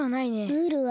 ムールは？